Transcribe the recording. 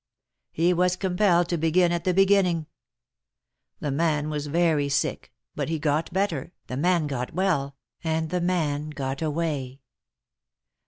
He was compelled to begin at the beginning. The man was very sick, but he got better, the man got well, and the man got away.